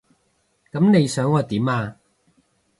噉你想我點啊？